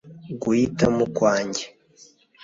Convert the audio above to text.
guhitamo kwanjye